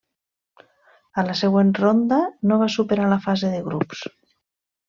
A la següent ronda no va superar la fase de grups.